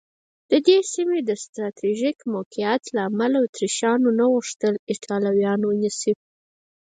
د دې سیمې د سټراټېژیک موقعیت له امله اتریشیانو نه غوښتل ایټالویان ونیسي.